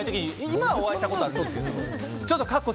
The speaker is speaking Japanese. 今はお会いしたことありますけど。